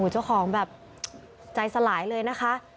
เจ้าของแบบใจสลายเลยนะคะ